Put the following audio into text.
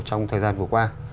trong thời gian vừa qua